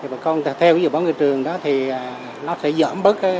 bà con theo dự báo ngư trường đó thì nó sẽ dỡn bớt cái khoảng đường mà chạy đi